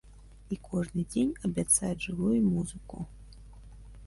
І кожны дзень абяцаюць жывую музыку.